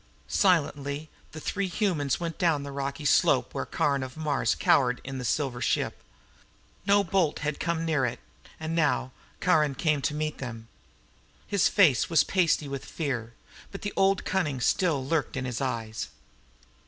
Silently, the three humans went down the rocky slope to where Caron of Mars cowered in the silver ship. No bolt had come near it. And now Caron came to meet them. His face was pasty with fear, but the old cunning still lurked in his eyes.